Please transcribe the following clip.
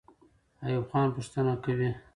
ایوب خان پوښتنه کوي.